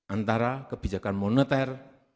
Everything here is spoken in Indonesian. antara kebijakan moneter